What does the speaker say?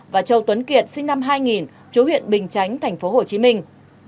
và châu tuấn kiệt sinh năm hai nghìn chú huyện bình chánh thành phố hồ chí minh